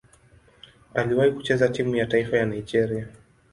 Aliwahi kucheza timu ya taifa ya Nigeria.